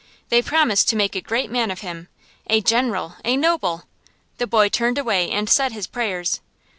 They promised to make a great man of him a general, a noble. The boy turned away and said his prayers.